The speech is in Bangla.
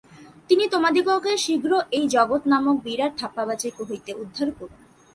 তিনি তোমাদিগকে শীঘ্র এই জগৎ নামক বিরাট ধাপ্পাবাজি হইতে উদ্ধার করুন।